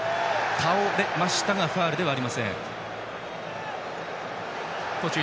倒れましたがファウルではありません。